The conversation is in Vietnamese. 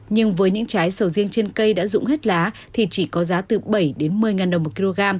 nhưng với những trái sầu riêng trên cây đã dụng hết lá thì chỉ có giá từ bảy một mươi đồng một kg